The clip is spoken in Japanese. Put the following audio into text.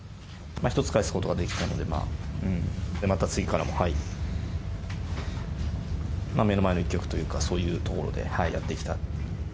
１つ返すことができたので、また次からも、目の前の１局というか、そういうところでやっていきたいと。